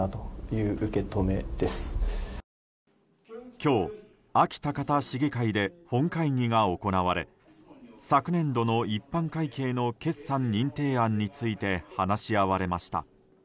今日、安芸高田市議会で本会議が行われ昨年度の一般会計の決算認定案について話し合われました。